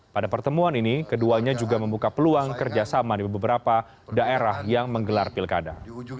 pada pertemuan ini keduanya juga membuka peluang kerjasama di beberapa daerah yang menggelar pilkada